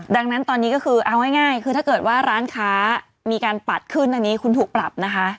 ดังนั้นตอนนี้ก็คือเอาง่ายคือถ้าเกิดว่าร้านค้ามีการปัดขึ้นอันนี้คุณถูกปรับนะคะ